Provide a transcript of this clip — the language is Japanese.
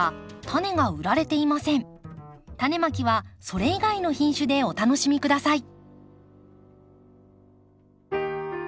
タネまきはそれ以外の品種でお楽しみ下さい。